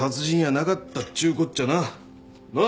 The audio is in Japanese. なあ？